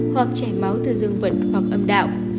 hoặc chảy máu từ dương vật hoặc âm đạo